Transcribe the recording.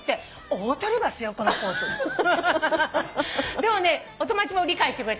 でもねお友達も理解してくれた。